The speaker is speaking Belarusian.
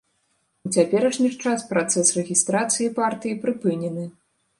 У цяперашні ж час працэс рэгістрацыі партыі прыпынены.